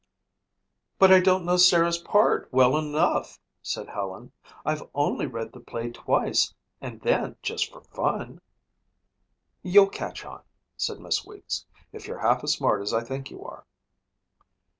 "But I don't know Sarah's part well enough," said Helen. "I've only read the play twice and then just for fun." "You'll catch on," said Miss Weeks, "if you're half as smart as I think you are."